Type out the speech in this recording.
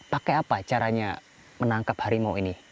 pakai apa caranya menangkap harimau ini